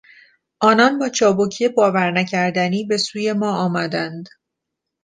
آنان با چابکی باور نکردنی به سوی ما آمدند.